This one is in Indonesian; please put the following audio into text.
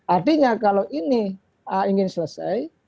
artinya kalau ini ingin selesai